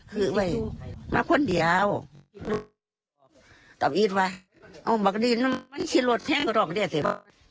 คือไว้มาคนเดียวตับอีกว่าเอามากดีน้ำมันชิ้นรถแทงก็รอกได้สิ